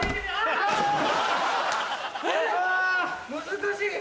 難しい！